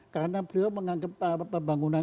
karena beliau menganggap pembangunan